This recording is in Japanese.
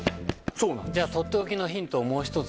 とっておきのヒントをもう１つ。